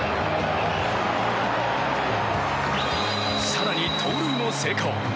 更に盗塁も成功。